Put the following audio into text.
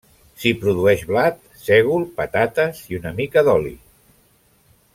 S'hi produeix blat, sègol, patates i una mica d'oli.